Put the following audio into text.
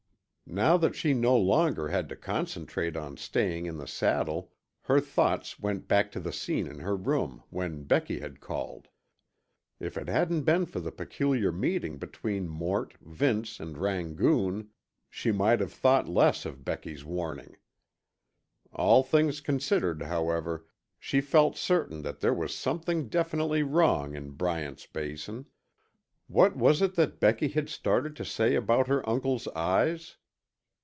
Now that she no longer had to concentrate on staying in the saddle, her thoughts went back to the scene in her room when Becky had called. If it hadn't been for the peculiar meeting between Mort, Vince, and Rangoon, she might have thought less of Becky's warning. All things considered, however, she felt certain that there was something definitely wrong in Bryant's Basin. What was it that Becky had started to say about her uncle's eyes?